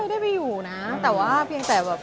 คงไม่รู้นะแต่ว่าเพียงแต่แบบ